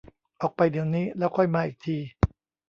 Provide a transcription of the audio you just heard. ออกไปเดี๋ยวนี้แล้วค่อยมาอีกที